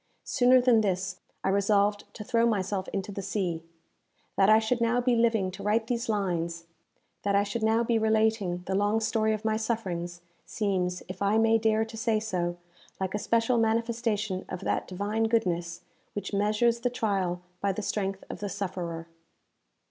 Sooner than this, I resolved to throw myself into the sea. That I should now be living to write these lines that I should now be relating the long story of my sufferings seems, if I may dare to say so, like a special manifestation of that divine goodness which measures the trial by the strength of the sufferer.